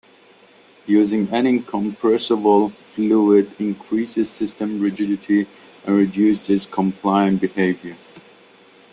Using an incompressible fluid increases system rigidity and reduces compliant behavior.